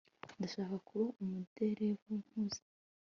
Ndashaka kuba umuderevu nkuze